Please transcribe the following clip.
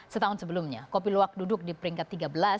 setahun sebelumnya kopi luwak duduk di peringkat tiga belas